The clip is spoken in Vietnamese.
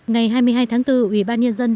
ngày hai mươi hai tháng bốn ủy ban nhân dân